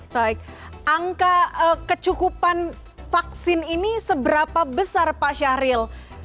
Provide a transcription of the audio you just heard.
baik angka kecukupan vaksin ini seberapa besar pak syahril